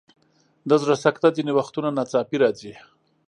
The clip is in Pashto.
د زړه سکته ځینې وختونه ناڅاپي راځي.